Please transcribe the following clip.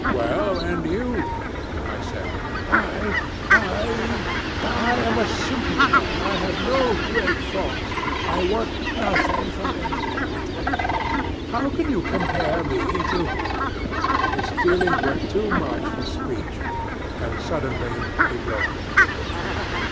'Well, and you?' I said. 'I! I! I am a simple man. I have no great thoughts. I want nothing from anybody. How can you compare me to ...?' His feelings were too much for speech, and suddenly he broke down.